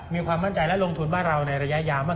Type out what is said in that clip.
มีความมั่นใจและลงทุนบ้านเราในระยะยาวมาก